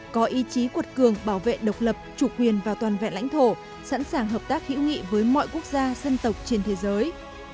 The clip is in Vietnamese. có ý chí cuột cường bảo vệ độc lập chủ quyền và toàn vẹn lãnh thổ sẵn sàng hợp tác hữu nghị với mọi quốc gia dân tộc trên thế giới